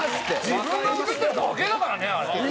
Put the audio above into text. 自分が映ってるだけだからねあれ。